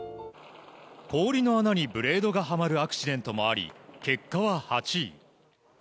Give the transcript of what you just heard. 氷の穴にブレードがはまるアクシデントもあり、結果は８位。